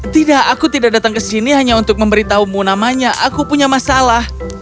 tidak aku tidak datang ke sini hanya untuk memberitahumu namanya aku punya masalah